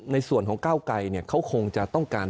ในส่วนของก้าวไกรเขาคงจะต้องการ